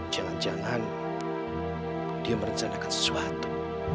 jangan jangan dia merencanakan sesuatu